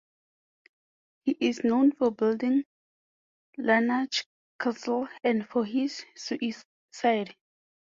He is known for building Larnach Castle and for his suicide.